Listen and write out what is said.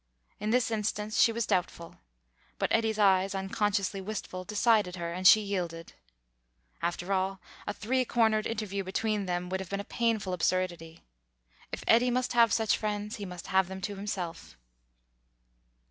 In this instance she was doubtful; but Eddy's eyes, unconsciously wistful, decided her, and she yielded. After all, a three cornered interview between them would have been a painful absurdity. If Eddy must have such friends, he must have them to himself....